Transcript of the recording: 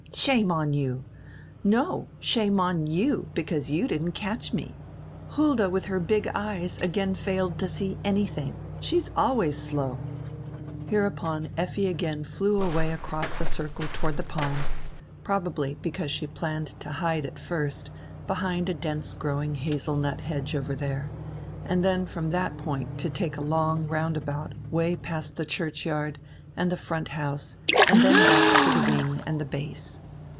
"Shame on you." "No, shame on you, because you didn't catch me. Hulda, widi her big eyes, again failed to see anything. She is always slow." Hereupon Effi again flew away across the circle toward die pond, probably because she planned to hide at first behind a dense growing hazelnut hedge over there, and dien from diat point to take a long roundabout way past the churchyard and die front house and dience back to die wing and die base.